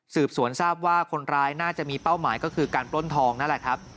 สืบสวนทราบว่าคนร้ายน่าจะมีเป้าหมายก็คือการปล้นทองนั่นแหละครับ